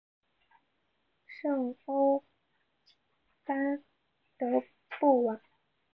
圣欧班德布瓦。